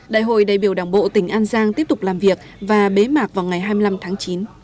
đại hội đại biểu đảng bộ tỉnh an giang tiếp tục làm việc và bế mạc vào ngày hai mươi năm tháng chín